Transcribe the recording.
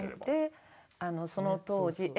でその当時。